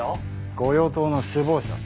御用盗の首謀者